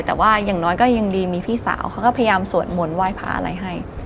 แต่ว่าอย่างน้อยก็ยังดีมีพี่สาวเขาก็พยายามสวดมนต์ไหว้พระอะไรให้